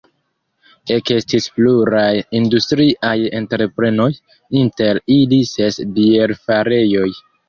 Ekestis pluraj industriaj entreprenoj, inter ili ses bierfarejoj.